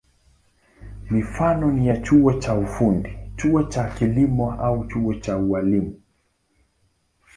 Mifano ni chuo cha ufundi, chuo cha kilimo au chuo cha ualimu.